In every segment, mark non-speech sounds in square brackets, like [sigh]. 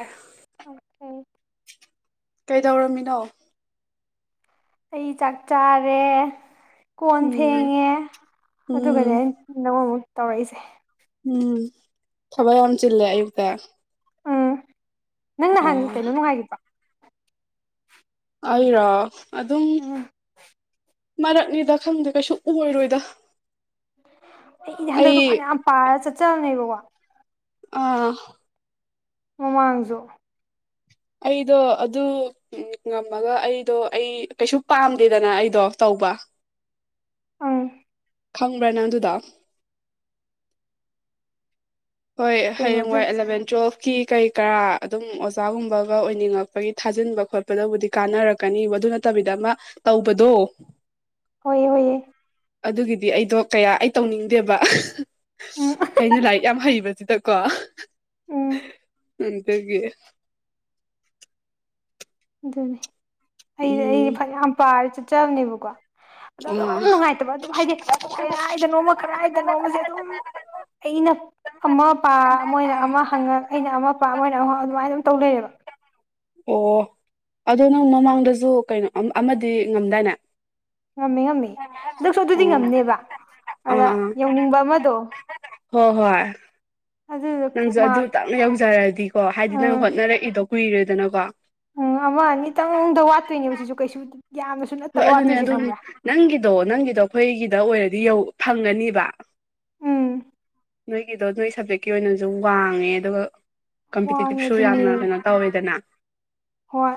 ꯑ ꯑꯣ ꯑꯩ ꯀꯩꯗꯧꯔꯝꯃꯤꯅꯣ ꯑꯩ ꯆꯥꯛ ꯆꯥꯔꯦ ꯀꯣꯟ ꯎꯝ ꯐꯦꯡꯉꯦ ꯑꯗꯨꯒꯅꯦ ꯎꯝ ꯑꯩꯅ ꯅꯪꯉꯣꯟ ꯑꯃꯨꯛ ꯇꯧꯔꯛꯏꯁꯦ ꯎꯝ ꯊꯕꯛ ꯌꯥꯝ ꯆꯤꯜꯂꯦ ꯑꯌꯨꯛꯇ ꯎꯝ ꯅꯪ ꯅꯍꯥꯟ ꯑꯣ ꯀꯩꯅꯣ ꯅꯨꯡꯉꯥꯏꯒꯤꯕ꯭ꯔꯣ ꯑꯩꯔꯣ ꯑꯗꯨꯝ ꯎꯝ ꯃꯔꯛꯅꯤꯗ ꯈꯪꯗꯦ ꯀꯩꯁꯨ ꯑꯣꯏꯔꯣꯏꯗ ꯑꯩꯗꯤ ꯍꯟꯗꯛꯇꯣ ꯑꯩ ꯐꯅꯌꯥꯝ ꯄꯥꯔꯒ ꯆꯠꯆꯕꯅꯦꯕꯀꯣ ꯑꯥ ꯃꯃꯥꯡꯖꯨ ꯑꯩꯗꯣ ꯑꯗꯨ ꯎꯝ ꯉꯝꯃꯒ ꯑꯩꯗꯣ ꯑꯩ ꯀꯩꯁꯨ ꯄꯥꯝꯗꯦꯗꯅ ꯑꯩꯗꯣ ꯇꯧꯕ ꯎꯝ ꯈꯪꯕ꯭ꯔꯥ ꯅꯪ ꯑꯗꯨꯗꯣ ꯍꯣꯏ ꯀꯩꯅꯣꯗꯨ ꯍꯌꯦꯡꯋꯥꯏ ꯑꯦꯂꯚꯦꯟ ꯇꯨꯋꯦꯜꯐ ꯀꯤ ꯀꯩ ꯀꯔꯥ ꯑꯗꯨꯝ ꯑꯣꯖꯥꯒꯨꯝꯕꯒ ꯑꯣꯏꯅꯤꯡꯉꯛꯄꯒꯤ ꯊꯥꯖꯤꯟꯕ ꯈꯣꯠꯄꯗꯕꯨꯗꯤ ꯀꯥꯟꯅꯔꯛꯀꯅꯤ ꯑꯃ ꯃꯗꯨ ꯅꯠꯇꯕꯤꯗ ꯑꯃ ꯇꯧꯕꯗꯣ ꯍꯣꯏꯌꯦ ꯍꯣꯏꯌꯦ ꯑꯗꯨꯒꯤꯗꯤ ꯑꯩꯗꯣ ꯀꯌꯥ ꯑꯩ ꯇꯧꯅꯤꯡꯗꯦꯕ ꯎꯝ ꯑꯩꯅ ꯂꯥꯏꯔꯤꯛ ꯌꯥꯝ ꯍꯩꯕꯖꯤꯗ ꯀꯣ ꯎꯝ ꯑꯟꯇꯒꯦ ꯑꯗꯨꯅꯦ ꯑꯩꯗꯤ ꯑꯩ ꯎꯝ ꯐꯅꯌꯥꯝ ꯄꯥꯔ ꯆꯠꯆꯕꯅꯦꯕꯀꯣ ꯑꯗꯣ ꯑꯗꯨꯝ ꯑꯥ ꯅꯨꯡꯉꯥꯏꯇꯕ ꯑꯗꯨꯝ ꯍꯥꯏꯗꯤ ꯀꯗꯥꯗꯅꯣꯃ ꯀꯗꯥꯏꯗꯅꯣꯃꯖꯦ ꯑꯗꯨꯝ ꯑꯩꯅ ꯑꯃ ꯄꯥ ꯃꯣꯏꯅ ꯑꯃ ꯍꯪꯉꯛ ꯑꯩꯅ ꯑꯃ ꯄꯥ ꯃꯣꯏꯅ ꯑꯃ ꯍꯪꯉꯛ ꯑꯗꯨꯃꯥꯏꯅ ꯑꯗꯨꯝ ꯇꯧ ꯂꯩꯩꯌꯦꯕ ꯑꯣ ꯑꯗꯣ ꯅꯪ ꯃꯃꯥꯡꯗꯖꯨ ꯀꯩꯅꯣ ꯑꯃ ꯑꯃꯗꯤ ꯉꯝꯗꯥꯏꯅꯦ ꯉꯝꯃꯦ ꯉꯝꯃꯦ ꯍꯟꯗꯛꯁꯨ ꯑꯗꯨꯗꯤ ꯑꯣ ꯑꯥ ꯉꯝꯅꯦꯕ ꯑꯗꯨꯗ ꯌꯧꯅꯤꯡꯕ ꯑꯃꯗꯣ ꯍꯣ ꯍꯣꯏ ꯑꯗꯨꯗꯣ ꯅꯪꯖꯨ ꯑꯗꯨ ꯃꯥꯔꯛ ꯇꯪ ꯅ ꯌꯧꯖꯔꯛꯗꯤꯀꯣ ꯍꯥꯏꯗꯤ ꯅꯪ ꯍꯣꯠꯅꯔꯛꯏꯗꯣ ꯀꯨꯏꯔꯦꯗꯅꯀꯣ ꯎꯝ ꯑꯃ ꯑꯅꯤꯇꯪꯗ ꯋꯥꯠꯇꯣꯏꯅꯦꯕ ꯁꯤꯖꯨ ꯀꯩꯁꯨ ꯌꯥꯝꯅꯁꯨ ꯍꯣꯏ ꯅꯠꯇꯕ ꯑꯗꯨꯅꯦ ꯋꯥꯠꯇꯣꯏꯁꯦ ꯑꯗꯨ ꯈꯪꯕ꯭ꯔꯥ ꯅꯪꯒꯤꯗꯣ ꯅꯪꯒꯤꯗꯣ ꯑꯩꯈꯣꯏꯒꯤꯗ ꯑꯣꯏꯔꯗꯤ ꯌꯧ ꯐꯪꯒꯅꯤꯕ ꯎꯝ ꯅꯣꯏꯒꯤꯗꯣ ꯅꯣꯏ ꯁꯕꯖꯦꯛꯀꯤ ꯑꯣꯏꯅꯖꯨ ꯋꯥꯡꯉꯦ ꯑꯗꯨꯒ ꯀꯝꯄꯤꯇꯤꯇꯤꯞ ꯋꯥꯡꯉꯦ ꯁꯨ ꯑꯗꯨꯅꯦ ꯌꯥꯝꯅ ꯀꯩꯅꯣ ꯇꯧꯋꯦꯗꯅ ꯍꯣꯏ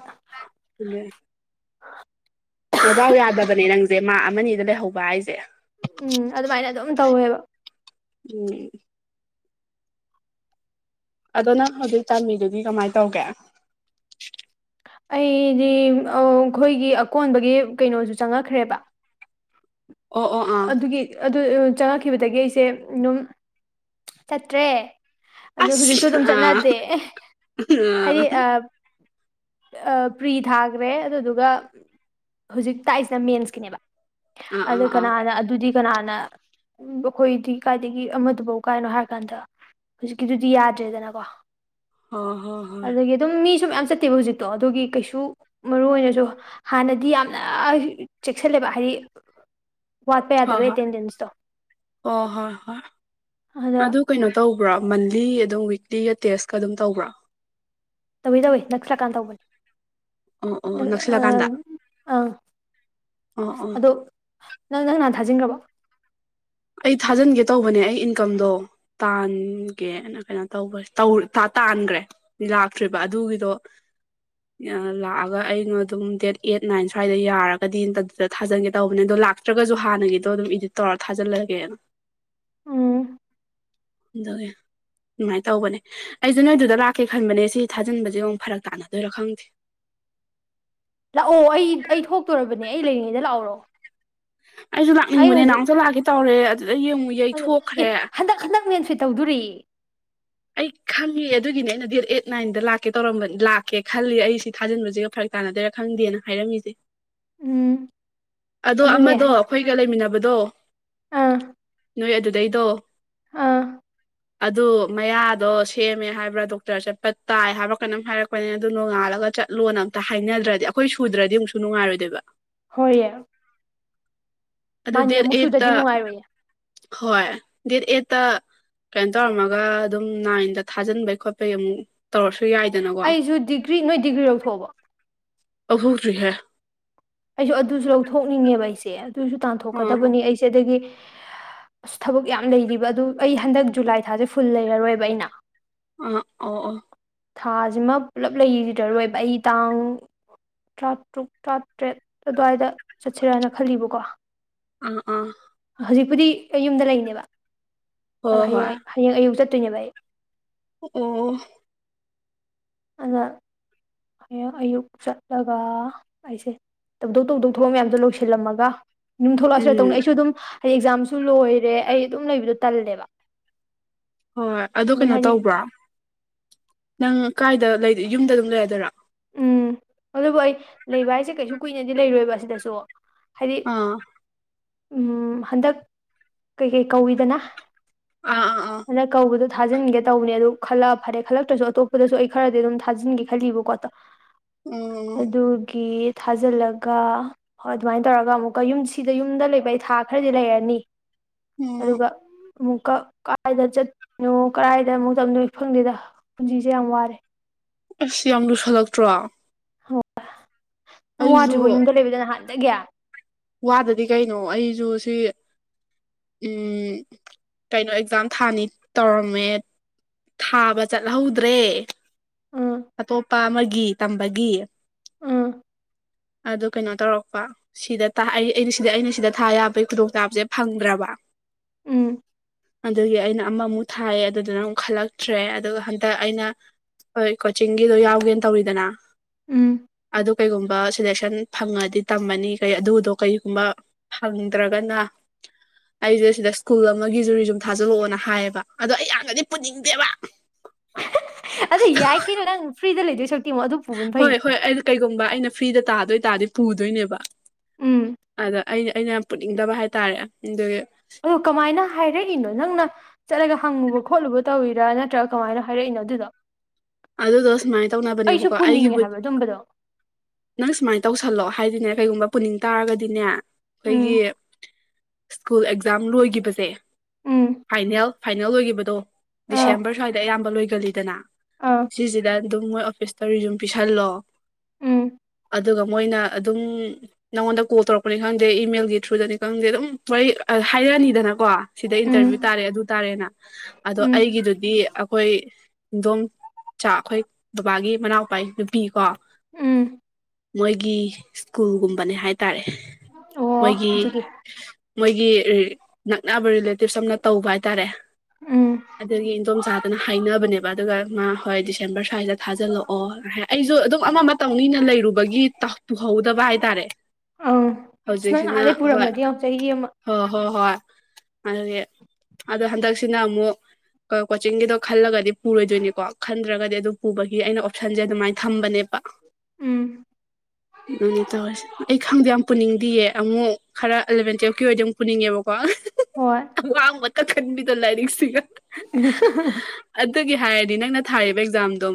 ꯅꯗꯥꯎ ꯌꯥꯗꯕꯅꯦ ꯅꯪꯖꯦ ꯃꯥꯛ ꯑꯃ ꯑꯅꯤꯗ ꯂꯩꯍꯧꯕ ꯍꯥꯏꯖꯦ ꯎꯝ ꯑꯗꯨꯃꯥꯏꯅ ꯑꯗꯨꯝ ꯇꯧꯋꯦꯕ ꯑꯗꯨꯅꯦ ꯑꯗꯣ ꯅꯪ ꯍꯧꯖꯤꯛ ꯇꯝꯃꯤꯗꯨꯗꯤ ꯀꯃꯥꯏ ꯇꯧꯒꯦ ꯑꯩꯗꯤ ꯑꯧ ꯑꯩꯈꯣꯏꯒꯤ ꯑꯀꯣꯟꯕꯒꯤ ꯀꯩꯅꯣꯖꯨ ꯆꯪꯉꯛꯈ꯭ꯔꯦꯕ ꯑꯣ ꯑꯣ ꯑꯥ ꯑꯗꯨꯒꯤ ꯑꯗꯨ ꯆꯪꯉꯛꯈꯤꯕꯗꯒꯤ ꯑꯩꯁꯦ ꯑꯗꯨꯝ ꯆꯠꯇ꯭ꯔꯦ ꯑꯗꯨ ꯍꯧꯖꯤꯛꯁꯨ ꯑꯁ ꯑꯗꯨꯝ ꯑꯥ ꯆꯠꯅꯇꯦ ꯍꯥꯏꯗꯤ ꯑꯥ ꯑꯝ ꯑ ꯄ꯭ꯔꯤ ꯊꯥꯒ꯭ꯔꯦ ꯑꯗꯨꯗꯨꯒ ꯍꯧꯖꯤꯛ ꯇꯥꯛꯏꯁꯤꯅ ꯃꯦꯟꯁꯀꯤꯅꯦꯕ ꯎꯝ ꯑꯗꯨ ꯎꯝ ꯑꯥ ꯀꯅꯥꯅ ꯑꯗꯨꯗꯤ ꯀꯅꯥꯅ ꯑꯩꯈꯣꯏꯗꯤ ꯀꯥꯏꯗꯒꯤ ꯑꯃꯗꯨꯕꯥꯎ ꯀꯥꯏꯅꯣ ꯍꯥꯏꯔ ꯀꯥꯟꯗ ꯍꯧꯖꯤꯛꯀꯤꯗꯨꯗꯤ ꯌꯥꯗ꯭ꯔꯦꯗꯅꯀꯣ ꯍꯣꯏ ꯍꯣꯏ ꯍꯣꯏ ꯑꯗꯒꯤ ꯑꯗꯨꯝ ꯃꯤꯁꯨ ꯃꯌꯥꯝ ꯆꯠꯇꯦꯕ ꯍꯧꯖꯤꯛꯇꯣ ꯑꯗꯨꯒꯤ ꯀꯩꯁꯨ ꯃꯔꯨ ꯑꯣꯏꯅꯁꯨ ꯍꯥꯟꯅꯗꯤ ꯌꯥꯝꯅ ꯆꯦꯛꯁꯤꯜꯂꯦꯕ ꯍꯥꯏꯗꯤ ꯋꯥꯠꯄ ꯍꯣꯏ ꯌꯥꯗꯕ ꯍꯣꯏ ꯑꯦꯇꯦꯟꯗꯦꯟꯁꯇꯣ ꯑꯣ ꯍꯣꯏ ꯍꯣꯏ ꯑꯗ ꯑꯗꯨ ꯀꯩꯅꯣ ꯇꯧꯕ꯭ꯔꯥ ꯃꯟꯂꯤ ꯑꯗꯨꯝ ꯋꯤꯛꯂꯤꯒ ꯇꯦꯁꯀ ꯑꯗꯨꯝ ꯇꯧꯕ꯭ꯔꯥ ꯇꯧꯏ ꯇꯧꯏ ꯅꯛꯁꯜꯂꯀꯥꯟ ꯇꯧꯕꯅꯤ ꯑꯣ ꯑꯣ ꯑꯥ ꯅꯛꯁꯤꯜꯂꯀꯥꯟꯗ ꯑꯥ ꯑꯣ ꯑꯣ ꯑꯗꯣ ꯅꯪ ꯅꯪ ꯅꯍꯥꯟ ꯊꯥꯖꯤꯟꯒ꯭ꯔꯕꯣ ꯑꯩ ꯊꯥꯖꯤꯟꯒꯦ ꯇꯧꯕꯅꯦ ꯑꯩ ꯏꯟꯀꯝꯗꯣ ꯇꯥꯟꯒꯦꯅ ꯀꯩꯅꯣ ꯇꯧꯕꯅꯦ ꯇꯧ ꯇꯥꯟ ꯇꯥꯟꯒ꯭ꯔꯦ ꯂꯥꯛꯇ꯭ꯔꯤꯕ ꯑꯗꯨꯒꯤꯗꯣ [inaudible] ꯑꯥ ꯂꯥꯛꯑꯒ ꯑꯩꯉ ꯑꯗꯨꯝ ꯗꯦꯠ ꯑꯩꯠ ꯅꯥꯏꯟ ꯁ꯭ꯋꯥꯏꯗ ꯌꯥꯔꯒꯗꯤ ꯑꯗꯨꯗ ꯊꯥꯖꯤꯟꯒꯦ ꯇꯧꯕꯅꯦ ꯑꯗꯣ ꯂꯥꯛ ꯇ꯭ꯔꯒꯖꯨ ꯍꯥꯟꯅꯒꯤꯗꯣ ꯑꯗꯨꯝ ꯏꯗꯤꯠ ꯇꯧꯔ ꯊꯥꯖꯤꯜꯂꯒꯦꯅ ꯎꯝ ꯑꯗꯨꯒꯤ ꯑꯗꯨꯃꯥꯏ ꯇꯧꯕꯅꯦ ꯑꯩꯖꯦ ꯅꯣꯏ ꯑꯗꯨꯗ ꯂꯥꯛꯀꯦ ꯈꯟꯕꯅꯦ ꯁꯤ ꯊꯥꯖꯤꯟꯕꯖꯦ ꯑꯃꯨꯛ ꯐꯔꯛ ꯇꯥꯟꯅꯗꯣꯏꯔꯥ ꯈꯪꯗꯦ ꯂꯥꯛꯑꯣ ꯑꯩ ꯑꯩ ꯊꯣꯛꯇꯣꯔꯕꯅꯦ ꯑꯩ ꯂꯩꯔꯤꯉꯩꯗ ꯂꯥꯛꯍꯧꯔꯣ ꯑꯩꯖꯨ ꯑꯩ ꯂꯥꯛꯅꯤꯡꯕꯅꯦ ꯍꯧꯖꯤꯛ ꯅꯍꯥꯟꯃꯨꯛꯁꯨ ꯂꯥꯛꯀꯦ ꯇꯧꯔꯦ ꯑꯗꯨꯗꯒꯤ ꯑꯃꯨꯛ ꯑꯦ ꯌꯩꯊꯣꯛꯈ꯭ꯔꯦ ꯍꯟꯗꯛ ꯍꯟꯗꯛ ꯃꯦꯟꯐꯤꯠ ꯇꯧꯗꯨꯔꯤ ꯑꯩ ꯈꯪꯉꯦ ꯑꯗꯨꯒꯤꯅꯦ ꯑꯩꯅ ꯗꯦꯠ ꯑꯩꯠ ꯅꯥꯏꯟꯗ ꯂꯥꯛꯀꯦ ꯇꯧꯔꯝꯕ ꯂꯥꯛꯀꯦ ꯈꯜꯂꯤ ꯑꯩ ꯁꯤ ꯊꯥꯖꯤꯟꯕꯖꯤꯒ ꯐꯔꯛ ꯇꯥꯟꯅꯗꯨꯏꯔꯥ ꯈꯪꯗꯦꯅ ꯍꯥꯏꯔꯝꯃꯤꯖꯦ ꯎꯝ ꯑꯗꯣ ꯑꯗꯨꯅꯦ ꯑꯃꯗꯣ ꯍꯥꯏ ꯑꯩꯈꯣꯏꯒ ꯂꯩꯃꯤꯟꯅꯕꯗꯣ ꯑꯥ ꯅꯣꯏ ꯑꯗꯨꯗꯩꯗꯣ ꯑꯥ ꯑꯗꯨ ꯃꯌꯥꯗꯣ ꯁꯦꯝꯃꯦ ꯍꯥꯏꯕ꯭ꯔꯥ ꯗꯣꯛꯇꯔ ꯆꯠꯄ ꯇꯥꯏ ꯍꯥꯏꯕ꯭ꯔꯥ ꯀꯩꯅꯝ ꯍꯥꯏꯔꯛ ꯄꯅꯦ ꯑꯗꯨ ꯅꯣꯡꯉꯥꯜꯂꯒ ꯆꯠꯂꯣꯅ ꯑꯝꯇ ꯍꯥꯏꯅꯗ꯭ꯔꯗꯤ ꯑꯩꯈꯣꯏ ꯁꯨꯗ꯭ꯔꯗꯤ ꯑꯃꯨꯛꯁꯨ ꯅꯨꯡꯉꯥꯏꯔꯣꯏꯗꯨꯏꯕ ꯍꯣꯏꯑꯦ ꯑꯗꯨ ꯗꯦꯠ ꯑꯃꯨꯛ ꯑꯩꯠꯇ ꯁꯨꯗꯗꯤ ꯅꯨꯡꯉꯥꯏꯔꯣꯏꯌꯦ ꯍꯣꯏ ꯗꯦꯠ ꯑꯩꯠꯇ ꯀꯩꯅꯣ ꯇꯧꯔꯝꯃꯒ ꯑꯗꯨꯝ ꯅꯥꯏꯟꯗ ꯊꯥꯖꯤꯟꯕꯩ ꯈꯣꯠꯄꯩ ꯑꯃꯨꯛ ꯇꯧꯔꯁꯨ ꯌꯥꯏ ꯑꯩꯁꯨ ꯗꯤꯒ꯭ꯔꯤ ꯅꯣꯏ ꯗꯤꯒ꯭ꯔꯤ ꯂꯧꯊꯣꯛꯑꯕꯣ ꯂꯧꯊꯣꯛꯇ꯭ꯔꯤꯍꯦ ꯑꯩꯖꯨ ꯑꯗꯨꯖꯨ ꯂꯧꯊꯣꯛꯅꯤꯡꯉꯦꯕ ꯑꯩꯁꯦ ꯑꯗꯨꯖꯨ ꯑ ꯑ ꯇꯥꯟꯊꯣꯛꯀꯗꯕꯅꯤ ꯑꯩꯁꯦ ꯑꯗꯒꯤ ꯑꯁ ꯊꯕꯛ ꯌꯥꯝ ꯂꯩꯔꯤꯕ ꯑꯗꯨ ꯑꯩ ꯍꯟꯗꯛ ꯖꯨꯂꯥꯏ ꯊꯥꯖꯦ ꯐꯨꯜ ꯂꯩꯔꯔꯣꯏꯕ ꯑꯩꯅ ꯑꯥ ꯑꯣ ꯑꯣ ꯊꯥꯖꯤꯃ ꯄꯨꯂꯞ ꯂꯩꯔꯔꯣꯏꯕ ꯑꯩ ꯇꯥꯡ ꯇ꯭ꯔꯥꯇꯔꯨꯛ ꯇ꯭ꯔꯥ ꯇ꯭ꯔꯦꯠ ꯑꯗꯨꯋꯥꯏꯗ ꯆꯠꯁꯤꯔꯅ ꯈꯜꯂꯤꯕꯀꯣ ꯑꯥ ꯑꯥ ꯍꯧꯖꯤꯛꯄꯨꯗꯤ ꯑꯩ ꯌꯨꯝꯗ ꯂꯩꯔꯤꯅꯦꯕ ꯑꯗꯣ ꯍꯣꯏ ꯍꯣꯏ ꯍꯌꯦꯡ ꯑꯩ ꯍꯌꯦꯡ ꯑꯌꯨꯛ ꯆꯠꯇꯣꯏꯅꯦꯕ ꯑꯩ ꯑꯣ ꯑꯣ [unintelligible] ꯍꯌꯦꯡ ꯑꯌꯨꯛ ꯆꯠꯂꯒ ꯑꯩꯁꯦ ꯇꯧꯗꯧ ꯇꯧꯗꯧ ꯊꯕꯛ ꯃꯌꯥꯝꯗꯣ ꯂꯣꯏꯁꯤꯜꯂꯝꯃꯒ ꯌꯨꯝ ꯊꯣꯛꯂꯛꯑꯁꯤꯔꯥ ꯇꯧꯅꯤ ꯎꯝ ꯑꯩꯁꯨ ꯑꯗꯨꯝ [unintelligible] ꯑꯦꯛꯖꯥꯝꯁꯨ ꯂꯣꯏꯔꯦ ꯑꯩ ꯑꯗꯨꯝ ꯂꯩꯕꯗꯣ ꯇꯜꯂꯦꯕ ꯍꯣꯏ ꯑꯗꯨ ꯑꯗꯨꯝ ꯀꯩꯅꯣ ꯍꯥꯏꯗꯤ ꯇꯧꯕ꯭ꯔꯣ ꯅꯪ ꯀꯥꯏꯗ [unintelligible] ꯌꯨꯝꯗ ꯑꯗꯨꯝ ꯂꯩꯔꯗꯣꯏꯔꯣ ꯎꯝ ꯑꯗꯨꯕꯨ ꯑꯩ ꯂꯩꯕ ꯍꯥꯏꯁꯦ ꯀꯩꯁꯨ ꯀꯨꯏꯅꯗꯤ ꯂꯩꯔꯣꯏꯕ ꯁꯤꯗꯁꯨ ꯍꯥꯏꯗꯤ ꯑꯥ ꯎꯝ ꯍꯟꯗꯛ ꯀꯩ ꯀꯩ ꯀꯧꯏꯗꯅ ꯑꯥ ꯑꯥ ꯑꯥ ꯍꯟꯗꯛ ꯀꯧꯕꯗꯣ ꯊꯥꯖꯤꯟꯒꯦ ꯇꯧꯕꯅꯦ ꯑꯗꯨ ꯈꯜꯂꯛꯑ ꯐꯔꯦ ꯈꯜꯂꯛꯇ꯭ꯔꯁꯨ ꯑꯇꯣꯞꯄꯗꯁꯨ ꯑꯩ ꯈꯔꯗꯤ ꯑꯗꯨꯝ ꯊꯥꯖꯤꯟꯒꯦ ꯈꯜꯂꯤꯕꯀꯣ [unintelligible] ꯎꯝ ꯑꯗꯨꯒꯤ ꯊꯥꯖꯤꯜꯂꯒ ꯍꯣꯏ ꯑꯗꯨꯃꯥꯏꯟ ꯇꯧꯔꯒ ꯑꯃꯨꯛꯀ ꯌꯨꯝ ꯁꯤꯗ ꯌꯨꯝꯗ ꯂꯩꯕ ꯑꯩ ꯊꯥ ꯈꯔꯗꯤ ꯂꯩꯔꯅꯤ ꯎꯝ ꯑꯗꯨꯒ ꯑꯃꯨꯛꯀ ꯀꯥꯏꯗ ꯆꯠꯅꯣ ꯀꯗꯥꯥꯏꯗ ꯑꯃꯨꯛ ꯇꯝꯗꯣꯏ ꯈꯪꯗꯦꯗ ꯄꯨꯟꯁꯤꯁꯦ ꯌꯥꯝ ꯋꯥꯔꯦ ꯑꯁ ꯌꯥꯝ ꯂꯨꯁꯜꯂꯛꯇ꯭ꯔꯣ ꯅꯪ ꯑꯩꯁꯨ ꯋꯥꯗ꯭ꯔꯤꯕꯣ ꯌꯨꯝꯗ ꯂꯩꯕꯗ ꯅꯍꯥꯟꯗꯒꯤ ꯋꯥꯗꯗꯤ ꯀꯩꯅꯣ ꯑꯩꯖꯨ ꯁꯤ ꯎꯝ ꯀꯩꯅꯣ ꯑꯦꯛꯖꯥꯝ ꯊꯥꯅꯤ ꯇꯧꯔꯝꯃꯦ ꯊꯥꯕ ꯆꯠꯍꯧꯗ꯭ꯔꯦ ꯎꯝ ꯑꯇꯣꯞꯄ ꯑꯃꯒꯤ ꯇꯝꯕꯒꯤ [inaudible] ꯑꯗꯨ ꯀꯩꯅꯣ ꯇꯧꯔꯛꯄ ꯁꯤꯗ ꯇꯥ ꯑꯩ ꯑꯩꯅ ꯁꯤꯗ ꯑꯩꯅ ꯁꯤꯗ ꯊꯥ ꯌꯥꯕꯩ ꯈꯨꯗꯣꯡꯆꯥꯕꯖꯦ ꯐꯪꯗ꯭ꯔꯕ ꯎꯝ ꯑꯗꯨꯒꯤ ꯑꯩꯅ ꯑꯃꯃꯨꯛ ꯊꯥꯏꯌꯦ ꯑꯗꯨꯗꯅ ꯑꯃꯨꯛ ꯈꯜꯂꯛꯇ꯭ꯔꯦ ꯑꯗꯨꯒ ꯍꯟꯇꯛ ꯑꯩꯅ ꯍꯣꯏ ꯀꯣꯆꯤꯡꯒꯤꯗꯣ ꯌꯥꯎꯒꯦꯅ ꯇꯧꯔꯤꯗꯅ ꯎꯝ ꯑꯗꯨ ꯀꯩꯒꯨꯝꯕ ꯁꯦꯂꯦꯛꯁꯟ ꯐꯪꯉꯗꯤ ꯇꯝꯃꯅꯤ ꯀꯩ ꯑꯗꯨꯗꯣ ꯀꯩꯒꯨꯝꯕ ꯐꯪꯗ꯭ꯔꯒꯅ ꯑꯩꯖꯦ ꯁꯤꯗ ꯁ꯭ꯀꯨꯜ ꯑꯃꯒꯤꯖꯨ ꯔꯤꯖꯨꯝ ꯊꯥꯖꯤꯜꯂꯛꯑꯣꯅ ꯍꯥꯏꯌꯦꯕ ꯑꯗꯣ ꯑꯩ ꯌꯥꯝꯅꯗꯤ ꯄꯨꯅꯤꯡꯗꯦꯕ ꯑꯗꯨ ꯌꯥꯏ ꯀꯩꯅꯣ ꯅꯪ ꯐ꯭ꯔꯤꯗ ꯂꯩꯗꯣꯏ ꯁꯔꯨꯛꯇꯤ ꯑꯃꯨꯛ ꯑꯗꯨ ꯄꯨꯕꯅ ꯐꯩ ꯍꯣꯏ ꯍꯣꯏ ꯑꯩꯅ ꯀꯩꯒꯨꯝꯕ ꯑꯩꯅ ꯐ꯭ꯔꯤꯗ ꯇꯥꯗꯣꯏ ꯇꯥꯔꯗꯤ ꯄꯨꯗꯣꯏꯅꯦꯕ ꯎꯝ ꯑꯗ ꯑꯩꯅ ꯑꯩꯅ ꯌꯥꯝ ꯄꯨꯅꯤꯡꯗꯕ ꯍꯥꯏꯇꯥꯔꯦ ꯑꯗꯨꯒꯤ ꯑꯗꯨ ꯀꯃꯥꯏꯅ ꯍꯥꯏꯔꯛꯏꯅꯣ ꯅꯪꯅ ꯆꯠꯂꯒ ꯍꯪꯉꯨꯕ ꯈꯣꯠꯂꯨꯕ ꯇꯧꯋꯤꯔꯥ ꯅꯠꯇ꯭ꯔꯒ ꯀꯃꯥꯏꯅ ꯍꯥꯏꯔꯛꯏꯅꯣ ꯑꯗꯨꯗꯣ ꯑꯗꯨꯗꯣ ꯁꯨꯃꯥꯏ ꯑꯩꯁꯨ ꯇꯧꯅꯕꯅꯦꯕꯀꯣ ꯑꯩꯒꯤ ꯄꯨꯅꯤꯡꯉꯦ ꯍꯥꯏꯕ [unintelligible] ꯑꯗꯨꯝꯕꯗꯣ ꯅꯪ ꯁꯨꯃꯥꯏꯟ ꯇꯧꯁꯜꯂꯣ ꯍꯥꯏꯗꯤꯅꯦ ꯀꯩꯒꯨꯝꯕ ꯄꯨꯅꯤꯡ ꯇꯥꯔꯒꯗꯤꯅꯦ ꯑꯩꯈꯣꯏꯒꯤ ꯎꯝ ꯁ꯭ꯀꯨꯜ ꯑꯦꯛꯖꯥꯝ ꯂꯣꯏꯒꯤꯕꯖꯦ ꯎꯝ ꯐꯥꯏꯅꯦꯜ ꯐꯥꯏꯅꯦꯜ ꯂꯣꯏꯒꯤꯕꯗꯣ ꯑꯥ ꯗꯤꯁꯦꯝꯕꯔ ꯁ꯭ꯋꯥꯏꯗ ꯑꯌꯥꯝꯕ ꯂꯣꯏꯒꯜꯂꯤꯗꯅ ꯑꯥ ꯁꯤꯖꯤꯗ ꯑꯗꯨꯝ ꯃꯣꯏ ꯑꯣꯐꯤꯁꯇ ꯔꯤꯖꯨꯝ ꯄꯤꯁꯜꯂꯣ ꯎꯝ ꯑꯗꯨꯒ ꯃꯣꯏꯅ ꯑꯗꯨꯝ ꯅꯪꯉꯣꯟꯗ ꯀꯣꯜ ꯇꯧꯔꯛꯄꯅꯤ ꯈꯪꯗꯦ ꯏꯃꯦꯜꯒꯤ ꯊ꯭ꯔꯨꯗꯅꯤ ꯈꯪꯗꯦ ꯑꯗꯨꯝ ꯋꯥꯔꯤ ꯑꯥ ꯍꯥꯏꯔꯅꯤꯗꯅꯀꯣ ꯁꯤꯗ ꯎꯝ ꯏꯟꯇꯔꯚ꯭ꯌꯨ ꯇꯥꯔꯦ ꯑꯗꯨ ꯇꯥꯔꯦꯅ ꯑꯗꯣ ꯎꯝ ꯑꯩꯒꯤꯗꯨꯗꯤ ꯑꯩꯈꯣꯏ ꯏꯟꯗꯣꯝ ꯆꯥ ꯑꯩꯈꯣꯏ ꯕꯕꯥꯒꯤ ꯃꯅꯥꯎꯄꯥꯏ ꯅꯨꯄꯤ ꯀꯣ ꯎꯝ ꯃꯣꯏꯒꯤ ꯁ꯭ꯀꯨꯜꯒꯨꯝꯕꯅꯦ ꯍꯥꯏ ꯇꯥꯔꯦ ꯑꯣ ꯃꯣꯏꯒꯤ ꯑꯗꯨꯒꯤ ꯃꯣꯏꯒꯤ ꯅꯛꯅꯕ ꯔꯤꯂꯦ ꯇꯤꯞ ꯁꯝꯅ ꯇꯧꯕ ꯍꯥꯏꯇꯥꯔꯦ ꯎꯝ ꯑꯗꯨꯒꯤ ꯏꯟꯗꯣꯝꯆꯥꯥꯗꯅ ꯍꯥꯏꯅꯕꯅꯦꯕ ꯑꯗꯨꯒ ꯃꯥ ꯍꫭꯏ ꯗꯤꯁꯦꯝꯔ ꯁꯥꯏꯗ ꯊꯥꯖꯤꯜꯂꯛꯑꯣ ꯑꯩꯁꯨ ꯑꯗꯨꯝ ꯑꯃ ꯑꯃ ꯇꯧꯅꯤꯅ ꯂꯩꯔꯨꯕꯒꯤ ꯄꯨꯍꯧꯗꯕ ꯍꯥꯏꯇꯥꯔꯦ ꯑꯧ ꯑꯁ ꯅꯪ ꯍꯧꯖꯤꯛꯁꯤꯅ ꯅꯍꯥꯟꯗꯩ ꯍꯣꯏ ꯄꯨꯔꯝꯃꯗꯤ ꯌꯦꯡꯉꫭ ꯆꯍꯤ ꯑꯃ ꯍꯣꯏ ꯍꯣ ꯍꯣꯏ ꯑꯗꯨꯒꯤ ꯑꯗꯣ ꯍꯟꯗꯛꯁꯤꯅ ꯑꯃꯨꯛ ꯀꯣꯆꯤꯡꯒꯤꯗꯣ ꯈꯜꯂꯒꯗꯤ ꯄꯨꯔꯣꯏꯗꯣꯏꯅꯤꯀꯣ ꯈꯟꯗ꯭ꯔꯒꯗꯤ ꯑꯗꯨ ꯄꯨꯕꯒꯤ ꯑꯩꯅ ꯑꯣꯞꯁꯟꯁꯦ ꯑꯗꯨꯃꯥꯏꯅ ꯊꯝꯕꯅꯦꯕ [inaudible] ꯃꯅꯦ ꯇꯧꯔꯁꯦ ꯑꯩ ꯈꯪꯗꯦ ꯌꯥꯝ ꯄꯨꯅꯤꯡꯗꯌꯦ ꯑꯃꯨꯛ ꯈꯔ ꯑꯦꯂꯚꯦꯟ ꯇꯨꯋꯦꯜꯞꯀꯤ ꯑꯣꯏꯗꯤ ꯑꯃꯨꯛ ꯄꯨꯅꯤꯡꯉꯦꯕꯀꯣ ꯍꯣꯏ ꯑꯋꯥꯡꯕꯗꯥ ꯈꯟꯕꯤꯗꫭ ꯂꯥꯏꯔꯤꯛꯁꯤꯒ [unintelligible] ꯑꯗꯨꯒꯤ ꯍꯥꯏꯔꯥꯗꯤ ꯅꯪꯅ ꯊꯥꯔꯤꯕ ꯑꯦꯛꯖꯥꯝꯗꯣ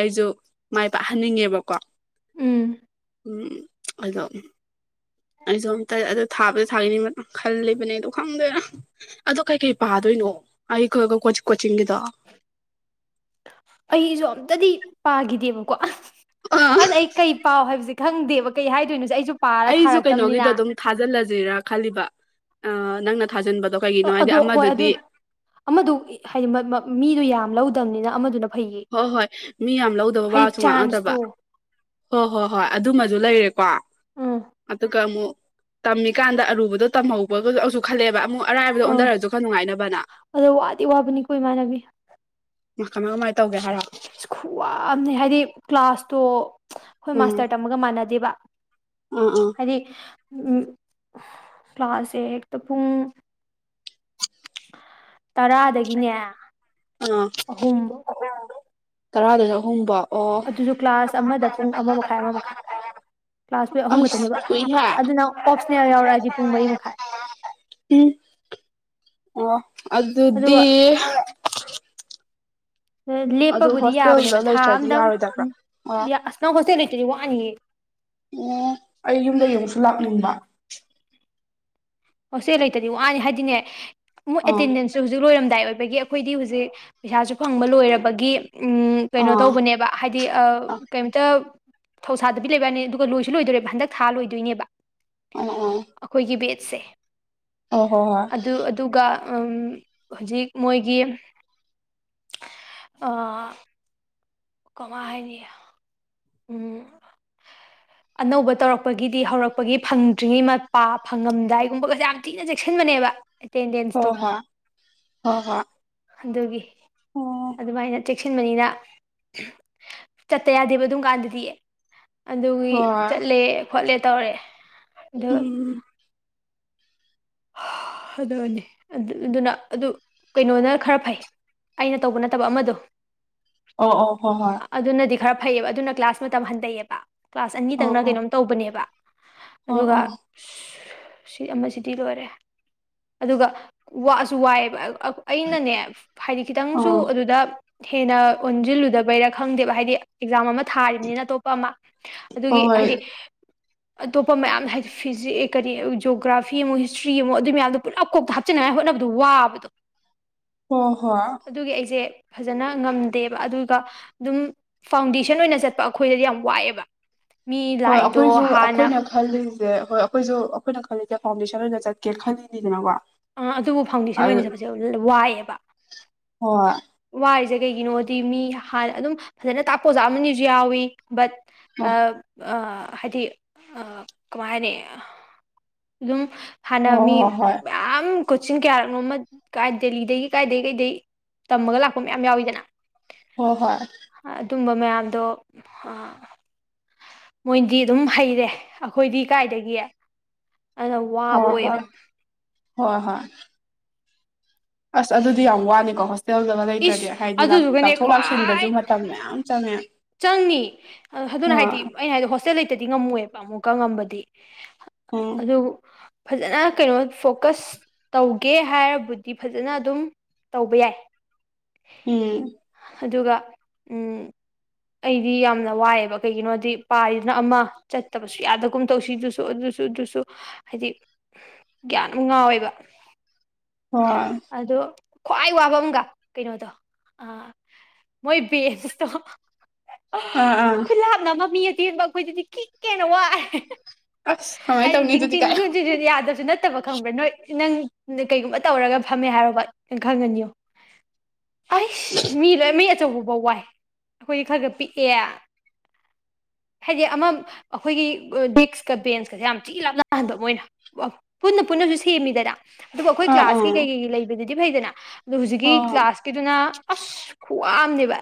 ꯑꯩꯁꯨ ꯃꯥꯏ ꯄꯥꯛꯍꯟꯅꯤꯡꯉꯦꯕꯀꯣ ꯎꯝ ꯎꯝ ꯑꯥꯗꯣ ꯑꯩꯁꯨ ꯑꯝꯇꯥ ꯑꯗꯨ ꯊꯥꯕꯨꯗꯤ ꯊꯥꯈꯤꯅꯤ ꯈꯜꯂꯤꯕꯅꯦ ꯑꯗꯣ ꯈꯪꯗꯦꯗꯥ ꯑꯗꯣ ꯀꯩꯀꯩ ꯄꯥꯗꯣꯏꯅꯣ ꯑꯩ ꯀꯣꯆꯤꯡꯒꯤꯗꯣ ꯑꯩꯁꯨ ꯑꯝꯇꯥꯗꯤ ꯄꯥꯈꯤꯗꯦꯕꯀꯣ ꯑꯥ ꯑꯗ ꯑꯩ ꯀꯩ ꯄꯥꯎ ꯍꯥꯏꯕꯁꯦ ꯈꯪꯗꯦꯕ ꯀꯩ ꯍꯥꯏꯗꯣꯏꯅꯣꯁꯦ ꯑꯩꯁꯨ ꯄꯥꯔ ꯊꯥꯔꯛꯇꯥꯕꯅꯤꯅ ꯊꯥꯖꯤꯜꯂꯥꯖꯤꯔꯥ ꯈꯜꯂꯤꯕ ꯅꯪꯅ ꯊꯥꯖꯤꯟꯕꯗꯣ ꯀꯩꯒꯤꯅꯣ ꯍꯥꯏꯗꯤ ꯑꯃꯗꯨꯗꯤ ꯑꯃꯥꯗꯨ ꯍꯥꯏꯗꯤ ꯃꯤꯗꯨ ꯌꯥꯝ ꯂꯧꯗꯥꯕꯅꯤꯅ ꯑꯃꯥꯗꯨꯅꯥ ꯍꯣꯏ ꯍꯣꯏ ꯃꯤ ꯌꯥꯝ ꯂꯧꯗꯥꯕ ꯋꯥꯁꯨ ꯉꯥꯡꯅꯗꯕ ꯆꯥꯟꯁꯇꯣ ꯍꯣꯏ ꯍꯣꯏ ꯍꯣꯏ ꯑꯗꯨꯃꯥꯖꯨ ꯂꯩꯔꯦꯀꯣ ꯎꯝ ꯑꯗꯨꯒ ꯑꯃꯨꯛ ꯇꯝꯃꯤꯀꯥꯟꯗ ꯑꯔꯨꯕꯗꯣ ꯇꯝꯍꯧꯕꯥꯒ ꯑꯁꯨꯛ ꯈꯜꯂꯛꯑꯦꯕ ꯑꯃꯨꯛ ꯑꯔꯥꯏꯕꯗꯣ ꯑꯣꯟꯗꯥꯔꯁꯨ ꯈꯔꯥ ꯅꯨꯡꯉꯥꯏꯅꯕꯅ ꯑꯗꯣ ꯋꯥꯗꯤ ꯋꯥꯕꯅꯤꯀꯣ ꯏꯃꯥꯟꯅꯕꯤ ꯃꯥ ꯀꯃꯥꯏ ꯀꯃꯥꯏꯅ ꯇꯧꯒꯦ ꯍꯥꯏꯔꯣ ꯈꯨꯋꯥ ꯑꯃꯥꯅꯤ ꯍꯥꯏꯗꯤ ꯀ꯭ꯂꯥꯁꯇꯣ ꯈꯣꯏ ꯎꯝ ꯃꯥꯁꯇꯔ ꯇꯝꯕꯒꯥ ꯃꯥꯟꯅꯗꯦꯕꯥ ꯑꯥ ꯑꯥ ꯍꯥꯏꯗꯤ ꯎꯝ ꯀ꯭ꯂꯥꯁꯁꯦ ꯍꯦꯛꯇꯥ ꯄꯨꯡ ꯇꯔꯥꯗꯥꯒꯤꯅꯦ ꯑꯥ ꯇꯔꯥꯗꯩꯅꯥ ꯑꯍꯨꯝ ꯕꯥꯎ ꯑꫭ ꯑꯗꯨꯖꯨ ꯀ꯭ꯂꯥꯁ ꯑꯃꯥꯗꯥ ꯄꯨꯡ ꯑꯃꯥ ꯃꯈꯥꯏ ꯑꯃꯥ ꯃꯈꯥꯏ ꯀ꯭ꯂꯥꯁ ꯄꯨꯗꯤ ꯑꯍꯨꯝ ꯑꯁ ꯈꯛꯇꯥꯅꯦꯕ ꯀꯨꯏꯍꯦ ꯑꯗꯨꯅ ꯑꯣꯞꯁꯅꯦꯜ ꯌꯥꯎꯔꯛꯑꯥꯗꯤ ꯄꯨꯡ ꯃꯔꯤ ꯃꯈꯥꯏ ꯎꯝ ꯑꯣ ꯑꯗꯨꯗꯤ ꯑꯗꯨ ꯂꯦꯞꯄꯥꯕꯨꯗꯤ ꯍꯣꯁꯇꯦꯜꯗ ꯌꯥꯕꯅꯦꯕ ꯊꯥ ꯂꯩꯇ꯭ꯔꯗꯤ ꯑꯃꯥꯗꯪ ꯌꯥꯔꯣꯏꯗꯕ꯭ꯔꯥ ꯑꯣ ꯌꯥ ꯅꯪ ꯍꯣꯁꯇꯦꯜ ꯂꯩꯇꯔꯥꯗꯤ ꯋꯥꯅꯤꯍꯦ ꯑꯣ ꯑꯩ ꯌꯨꯝꯗꯩ ꯑꯃꯨꯛꯁꯨ ꯂꯥꯛꯅꯤꯡꯕ ꯍꯣꯁꯇꯦꯜ ꯂꯩꯇꯥꯗꯤ ꯋꯥꯅꯤ ꯍꯥꯏꯗꯤꯅꯦ ꯃꯣꯏ ꯑꯥ ꯑꯦꯇꯦꯟꯗꯦꯟꯁ ꯑꯗꯨ ꯍꯧꯖꯤꯛ ꯂꯣꯏꯔꯝꯗꯥꯏ ꯑꯣꯏꯕꯒꯤ ꯑꯩꯈꯣꯏꯗꯤ ꯍꯧꯖꯤꯛ ꯄꯩꯁꯥꯁꯨ ꯐꯪꯕ ꯂꯣꯏꯔꯕꯒꯤ ꯎꯝ ꯀꯩꯅꯣ ꯑꯥ ꯇꯧꯕꯅꯦꯕ ꯍꯥꯏꯗꯤ ꯑꯥ ꯀꯩꯝꯇꯥ ꯊꯧꯁꯥꯗꯥꯕꯤ ꯂꯩꯕꯋꯥꯅꯤ ꯑꯗꯨꯒ ꯂꯣꯏꯁꯨ ꯂꯣꯏꯗꯣꯔꯦꯕ ꯍꯟꯗꯛ ꯊꯥ ꯂꯣꯏꯗꯣꯏꯅꯦꯕ ꯑꯣ ꯑꯣ ꯑꯥꯈꯣꯏꯒꯤ ꯕꯦꯠꯁꯦ ꯑꯣ ꯍꯣ ꯍꯣꯏ ꯑꯗꯨ ꯑꯗꯨꯒꯥ ꯎꯝ ꯍꯧꯖꯤꯛ ꯃꯣꯏꯒꯤ ꯑꯥ ꯀꯃꯥꯏ ꯍꯥꯏꯅꯤ ꯎꯝ ꯑꯅꯧꯕ ꯇꯧꯔꯛꯄꯒꯤꯗꯤ ꯍꯧꯔꯛꯄꯒꯤ ꯐꯪꯗ꯭ꯔꯤꯉꯩ ꯃꯄꯥ ꯐꯪꯉꯝꯗꯥꯏꯒꯨꯝꯕꯒꯥꯁꯦ ꯌꯥꯝ ꯊꯤꯅ ꯆꯦꯛꯁꯤꯟꯕꯅꯦꯕ ꯍꯣ ꯑꯦꯇꯦꯟꯗꯦꯟꯁꯇꯣ ꯍꯣꯏ ꯍꯣ ꯍꯣꯏ ꯑꯣ ꯍꯣꯏ ꯑꯗꯨꯒꯤ ꯑꯗꯨꯃꯥꯏꯅ ꯆꯦꯛꯁꯤꯟꯕꯅꯤꯅ ꯆꯠꯇꯥ ꯌꯥꯗꯦꯕ ꯑꯗꯨꯝ ꯀꯥꯟꯗꯥꯗꯤ ꯑꯗꯨꯒꯤ ꯆꯠꯂꯦ ꯈꯣꯠꯂꯦ ꯇꯧꯔꯦ ꯑꯗꯨ ꯎꯝ ꯑꯗꯨꯅꯤ ꯑꯗꯨ ꯑꯗꯨꯅ ꯑꯗꯨ ꯀꯩꯅꯣꯅ ꯈꯔꯥ ꯐꯩ ꯑꯩꯅ ꯇꯧꯕ ꯅꯠꯇꯕ ꯑꯃꯗꯣ ꯑꯣ ꯑꯣ ꯍꯣꯏ ꯍꯣꯢ ꯑꯗꯨꯅꯗꯤ ꯈꯔꯥ ꯐꯩꯌꯦꯕ ꯑꯗꯨꯅ ꯀ꯭ꯂꯥꯁ ꯃꯇꯝ ꯍꯟꯊꯩꯌꯦꯕ ꯀ꯭ꯂꯥꯁ ꯍꯣꯏ ꯑꯣ ꯑꯣ ꯑꯅꯤꯇꯪꯅ ꯑꯣ ꯑꯣ ꯀꯩꯅꯣꯝ ꯇꯧꯕꯅꯦꯕ ꯑꯥ ꯑꯗꯨꯒ ꯁꯤ ꯑꯃꯥ ꯁꯤ ꯇꯤ ꯂꯣꯏꯔꯦ ꯑꯗꯨꯒ ꯋꯥꯁꯨ ꯋꯥꯏꯑꯦꯕ ꯑꯩꯅꯥꯅꯦ ꯍꯥꯏꯗꯤ ꯈꯤꯇꯪꯁꯨ ꯑꯗꯨꯗꯥ ꯍꯦꯟꯅꯥ ꯑꯣꯟꯖꯤꯜꯂꯨꯗꯕꯩꯔꯥ ꯈꯪꯗꯦꯕ ꯍꯥꯏꯗꯤ ꯑꯦꯛꯖꯥꯝ ꯑꯃꯥ ꯊꯥꯔꯤꯕꯅꯤꯅ ꯑꯇꯣꯞꯄ ꯑꯃꯥ ꯍꯣꯏ ꯑꯗꯨꯒꯤ ꯍꯣꯏ ꯍꯥꯏꯗꯤ ꯑꯇꯣꯞꯄꯥ ꯃꯌꯥꯝ ꯍꯥꯏꯗꯤ ꯐꯤꯖꯤ ꯀꯔꯤ ꯖꯣꯒ꯭ꯔꯥꯐ ꯐꯤ ꯃꯨꯛ ꯍꯤꯁꯇ꯭ꯔꯤ ꯃꯨꯛ ꯑꯗꯨ ꯃꯌꯥꯝꯗꯣ ꯄꯨꯂꯞ ꯀꯣꯛ ꯍꯥꯞꯆꯤꯅꯤꯡꯉꯥꯏ ꯍꯣꯠꯅꯕꯗꯣ ꯋꯥꯕꯗꯣ ꯍꯣ ꯍꯣꯏ ꯑꯗꯨꯒꯤ ꯑꯩꯁꯦ ꯐꯖꯅ ꯉꯝꯗꯦꯕ ꯑꯗꯨꯒ ꯑꯗꯨꯝ ꯐꯥꯎꯟꯗꯦꯁꯟ ꯑꯣꯏꯅ ꯆꯠꯄ ꯑꯩꯈꯣꯏꯗꯗꯤ ꯌꯥꯝ ꯋꯥꯑꯦꯕ ꯃꯤ ꯂꯥꯛꯏꯗꯣ ꯑꯩꯈꯣꯏꯁꯨ ꯍꯥꯟꯅ ꯑꯩꯈꯣꯏꯅ ꯈꯜꯂꯤꯁꯦ ꯑꯍꯣꯏ ꯑꯩꯈꯣꯏꯁꯨ ꯑꯩꯈꯣꯏꯅ ꯈꯜꯂꯤꯁꯦ ꯐꯥꯎꯟꯗꯦꯁꯟ ꯑꯣꯏꯅ ꯆꯠꯀꯦ ꯈꯜꯂꯤꯅꯤꯗꯅꯀꯣ꯫ ꯑ ꯑꯗꯨꯕꯨ ꯐꯥꯎꯟꯗꯦꯁꯟ ꯑꯣꯏꯅ ꯆꯠꯄꯁꯦ ꯋꯥꯏꯑꯦꯕ꯫ ꯍꯣꯢ꯫ ꯋꯥꯔꯤꯁꯦ ꯀꯩꯒꯤꯅꯣꯗꯤ ꯃꯤ ꯍꯥꯟꯅ ꯑꯗꯨꯝ ꯐꯖꯅ ꯇꯥꯛꯄ ꯑꯣꯖꯥ ꯑꯃꯅꯤꯁꯨ ꯌꯥꯎꯏ ꯕꯠ ꯑ ꯍꯣꯏ ꯑ ꯍꯥꯏꯗꯤ ꯑ ꯀꯃꯥꯏ ꯍꯥꯏꯅꯤ ꯑꯗꯨꯝ ꯍꯥꯟꯅ ꯃꯤ ꯍꯣꯏ ꯃꯌꯥꯝ ꯀꯣꯆꯤꯡ ꯀꯌꯥꯔꯛꯅꯣꯃ ꯀꯥꯢ ꯗꯦꯜꯂꯤꯗꯒꯤ ꯀꯥꯏꯗꯒꯤ ꯀꯩꯗꯩ ꯇꯝꯃꯒ ꯂꯥꯛꯄ ꯃꯌꯥꯝ ꯌꯥꯎꯋꯤꯗꯅ꯫ ꯍꯣꯏ ꯍꯣꯏ꯫ ꯑꯗꯨꯝꯕ ꯃꯌꯥꯝꯗꯣ ꯑ ꯃꯣꯏꯗꯤ ꯑꯗꯨꯝ ꯍꯩꯔꯦ ꯑꯩꯈꯣꯏꯗꯤ ꯀꯥꯏꯗꯒꯤ꯫ ꯑꯗꯨꯅ ꯍꯣ ꯋꯥꯕ ꯍꯣꯏ ꯑꯣꯏꯌꯦꯕ ꯍꯣꯏ ꯍꯣꯏ꯫ ꯑꯁ ꯑꯗꯨꯗꯤ ꯌꯥꯝ ꯋꯥꯅꯤꯀꯣ ꯍꯣꯁ ꯍꯣꯇꯦꯜꯗꯒ ꯏꯁ ꯂꯩꯇ꯭ꯔꯗꯤ ꯍꯥꯏꯗꯤ ꯑꯗꯨꯗꯨꯒꯅꯦ ꯂꯥꯛꯊꯣꯛ ꯈ꯭ꯋꯥꯏ ꯂꯥꯛꯁꯤꯟꯗꯁꯨ ꯃꯇꯝ ꯃꯌꯥꯝ ꯆꯪꯉꯦ꯫ ꯆꯪꯅꯤ ꯑꯗꯨꯅ ꯍꯣꯏ ꯍꯥꯏꯗꯤ ꯑꯩꯅ ꯍꯥꯏꯗꯣ ꯍꯣꯁꯇꯦꯜ ꯂꯩꯇꯗꯤ ꯉꯝꯃꯣꯢ ꯑꯃꯨꯛꯀ ꯉꯝꯕꯗꯤ ꯎꯝ ꯑꯗꯨ ꯐꯖꯅ ꯀꯩꯅꯣ ꯐꯣꯀꯁ ꯇꯧꯒꯦ ꯍꯥꯏꯔꯕꯨꯗꯤ ꯐꯖꯅ ꯑꯗꯨꯝ ꯇꯧꯕ ꯌꯥꯏ꯫ ꯎꯝ꯫ ꯑꯗꯨꯒ ꯎꯝ꯫ ꯑꯩꯗꯤ ꯌꯥꯝꯅ ꯋꯥꯏꯑꯦꯕ ꯀꯩꯒꯤꯅꯣꯗꯤ ꯄꯥꯔꯤꯖꯤꯅ ꯑꯃ ꯆꯠꯇꯕꯁꯨ ꯌꯥꯗꯒꯨꯝ ꯇꯧꯁꯤꯗꯨꯁꯨ ꯑꯗꯨꯁꯨ ꯑꯗꯨꯁꯨ ꯍꯥꯏꯗꯤ ꯒ꯭ꯌꯥꯟ ꯑꯃ ꯉꯥꯎꯋꯦꯕ꯫ ꯍꯣꯢ꯫ ꯑꯗꯣ ꯈ꯭ꯋꯥꯏ ꯋꯥꯕ ꯑꯃꯒ ꯀꯩꯅꯣꯗꯣ ꯑ ꯃꯣꯏ ꯕꯦꯁꯇꯣ ꯑꯥ ꯑꯥ ꯈꯨꯂꯥꯞ ꯅꯕ ꯃꯤ ꯑꯇꯦꯟꯕ ꯑꯈꯣꯏꯗꯗꯤ ꯀꯤꯛ ꯀꯦꯅ ꯋꯥꯢꯂꯦ ꯑꯁ [unintelligible] ꯀꯃꯥꯏꯅ ꯍꯥꯏꯗꯤ ꯇꯧꯅꯤ ꯆꯤꯡ ꯑꯗꯨꯗꯤ ꯀꯥꯏ ꯆꯤꯡꯁꯨ ꯌꯥꯗꯁꯨ ꯅꯠ ꯐꯠꯇꯕ ꯈꯪꯕ꯭ꯔꯥ ꯅꯣꯏ ꯅꯪ ꯀꯩꯒꯨꯝꯕ ꯇꯧꯔꯒ ꯐꯝꯃꯦ ꯍꯥꯏꯔꯣꯕ ꯈꯪꯒꯅꯤ ꯌꯦꯑꯣ ꯑꯁ ꯍꯩꯁ ꯃꯤ ꯂꯣꯏꯅ ꯃꯤ ꯑꯆꯧꯕꯕꯧꯕ ꯋꯥꯏ ꯑꯩꯈꯣꯏꯒꯤ ꯈꯔꯒ ꯄꯤꯛꯑꯦ ꯍꯥꯏꯗꯤ ꯑꯃ ꯑꯈꯣꯏꯒꯤ ꯗꯦꯛꯁꯀ ꯕꯦꯟꯁꯀꯁꯦ ꯌꯥꯝ ꯊꯤ ꯂꯥꯞꯅꯥꯍꯟꯕ ꯃꯣꯏꯅ ꯄꯨꯟꯅ ꯄꯨꯟꯅꯁꯨ ꯁꯦꯝꯃꯤꯗꯔ ꯑꯗꯨꯕꯨ ꯑꯩꯈꯣꯏ ꯑꯥ ꯑꯥ ꯀ꯭ꯂꯥꯁꯀꯤ ꯀꯩ ꯀꯩ ꯂꯩꯕꯗꯨꯗꯤ ꯐꯩꯗꯅ ꯑꯗꯨ ꯍꯧꯖꯤꯛꯀꯤ ꯍꯣꯏ ꯥꯁꯀꯤꯗꯨꯅ ꯑꯁ ꯈ꯭ꯋꯥꯝꯅꯦꯕ